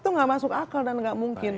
itu gak masuk akal dan gak mungkin